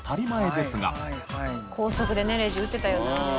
「高速でねレジ打ってたよな」